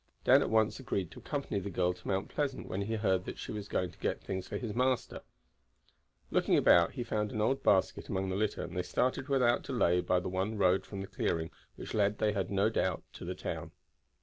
Dan at once agreed to accompany the girl to Mount Pleasant when he heard that she was going to get things for his master. Looking about he found an old basket among the litter, and they started without delay by the one road from the clearing, which led, they had no doubt, to the town.